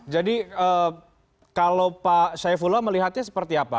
jadi kalau pak saifullah melihatnya seperti apa